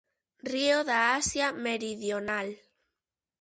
Río da Asia Meridional.